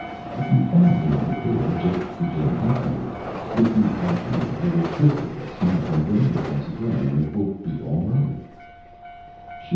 "If you find me in the vua, just begin hunting me. With you after me, I will quickly get smart and remember once again and it will be all right."